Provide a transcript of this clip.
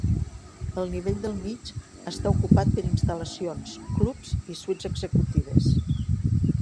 El nivell del mig està ocupat per instal·lacions, clubs i suites executives.